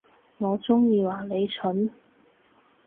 我中意話你蠢